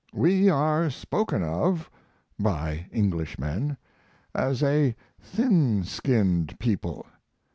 We are spoken of (by Englishmen) as a thin skinned people.